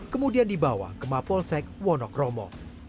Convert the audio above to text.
kemudian dibawa ke mapolsek wonokromo